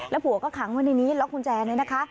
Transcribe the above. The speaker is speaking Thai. แล้วผัวก็ขังมาในนี้ล็อกกุญแจให้นะคะ